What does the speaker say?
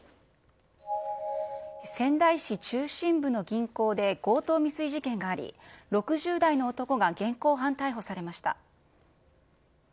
仙台市中心部の銀行で強盗未遂事件があり、６０代の男が現行犯逮捕されました。